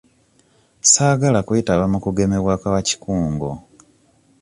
Ssaagala kwetaba mu kugemebwa kwa kikungo.